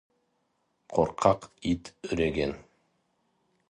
Қорқақ ит үреген.